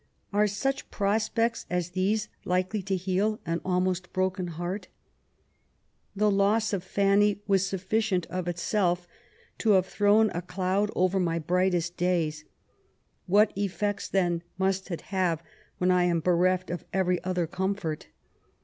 Are such prospects as these likely to heal an almost broken heart ? The loss of Fanny was sufficient of itself to have thrown a cloud over my brightest days ; what effects then, must it have when I am bereft of every other comfort